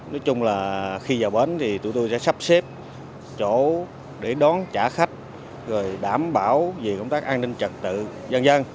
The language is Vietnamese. nói chung là khi vào bến thì tụi tôi sẽ sắp xếp chỗ để đón trả khách rồi đảm bảo về công tác an ninh trật tự dân